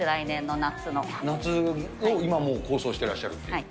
夏のを今もう、構想していらっしゃるという。